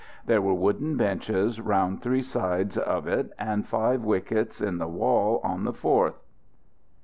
There were wooden benches round three sides of it, and five wickets in the wall on the fourth.